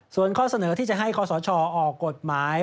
ส่วนข้อเสนอที่จะให้คอสชออกกฎหมาย